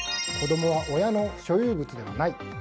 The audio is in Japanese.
子供は親の所有物ではない。